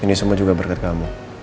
ini semua juga berkat kamu